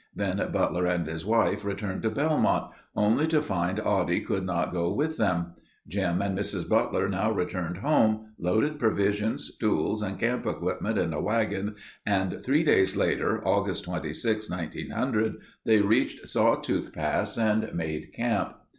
Then Butler and his wife returned to Belmont only to find Oddie could not go with them. Jim and Mrs. Butler now returned home, loaded provisions, tools, and camp equipment in a wagon and three days later, Aug. 26, 1900, they reached Sawtooth Pass and made camp.